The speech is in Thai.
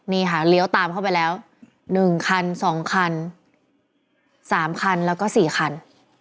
นี่ค่ะเลี้ยวตามเข้าไปแล้วหนึ่งคันสองคันสามคันแล้วก็สี่คัน